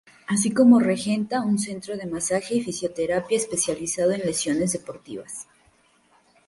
Así como regenta un centro de masaje y fisioterapia, especializado en lesiones deportivas.